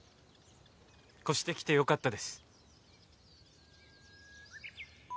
越してきてよかったです。